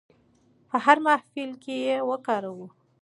په هر محفل کې یې وکاروو.